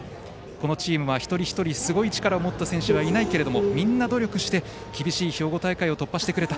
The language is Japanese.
このチームは一人一人すごい力を持った選手はいないけれどもみんな努力して厳しい兵庫大会を突破してくれた。